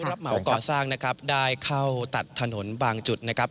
รับเหมาก่อสร้างนะครับได้เข้าตัดถนนบางจุดนะครับ